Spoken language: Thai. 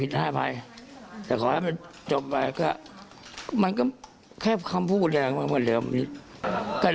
ตอนนั้นมันเยี่ยงกัน๒นัดแล้วมันทั้งหมดมี๓นัด